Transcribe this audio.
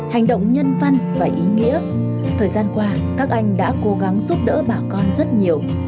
hành động nhân văn và ý nghĩa thời gian qua các anh đã cố gắng giúp đỡ bà con rất nhiều